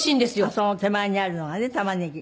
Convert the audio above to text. その手前にあるのがね玉ねぎ。